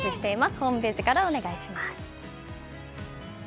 ホームページからお願いします。